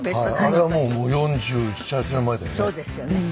あれはもう４７４８年前だよね。